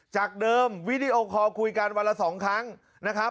จากเดิมวีดีโอคอลคุยกันวันละ๒ครั้งนะครับ